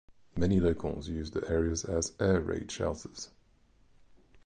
Many locals used the areas as air-raid shelters.